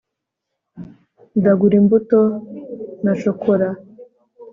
ndagura imbuto na shokora